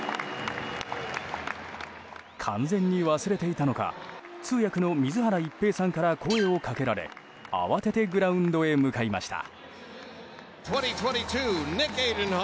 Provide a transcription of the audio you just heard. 完全に忘れていたのか通訳の水原一平さんから声を掛けられ、慌ててグラウンドへ向かいました。